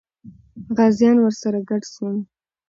غازیان ورسره ګډ سول.